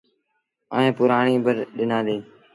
ائيٚݩ پرڻآئي با ڏنآݩدي۔